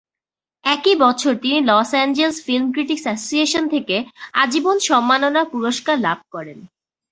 একই বছর তিনি Los Angeles film critics association থেকে আজীবন সম্মাননা পুরস্কার লাভ করেন।